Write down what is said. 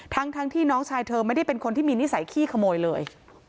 ทั้งที่น้องชายเธอไม่ได้เป็นคนที่มีนิสัยขี้ขโมยเลย